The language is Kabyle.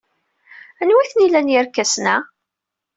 Anwa ay ten-ilan yirkasen-a?